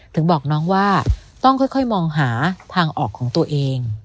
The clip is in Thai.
ถึงบอกน้องว่าต้องค่อยมองหาทางออกของตัวเอง